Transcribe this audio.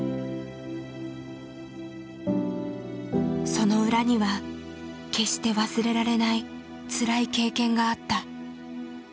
その裏には決して忘れられないつらい経験があった。